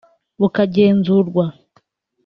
bukagenzurwa